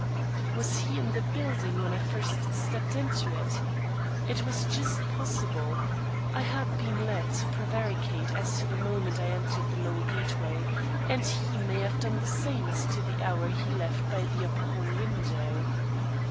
Was he in the building when I first stepped into it? It was just possible. I had been led to prevaricate as to the moment I entered the lower gateway, and he may have done the same as to the hour he left by the upper hall window.